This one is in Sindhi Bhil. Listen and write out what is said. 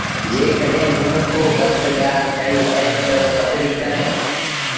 جيڪڏهينٚ موٚنٚ ڪو گلت ڳآل ڪئيٚ اهي تا پدريٚ ڪر۔